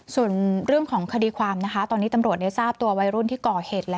ส่วนเรื่องของคดีความนะคะตอนนี้ตำรวจทราบตัววัยรุ่นที่ก่อเหตุแล้ว